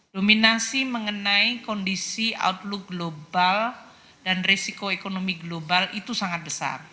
dominasi mengenai kondisi outlook global dan resiko ekonomi global itu sangat besar